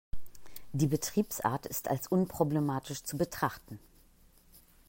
Die Betriebsart ist als unproblematisch zu betrachten.